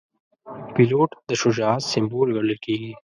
پیلوټ د شجاعت سمبول ګڼل کېږي.